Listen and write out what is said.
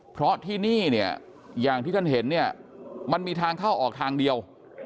เพราะที่นี่เนี่ยอย่างที่ท่านเห็นเนี่ยมันมีทางเข้าออกทางเดียว